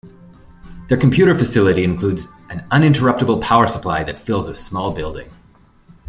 Their computer facility includes an uninterruptible power supply that fills a small building.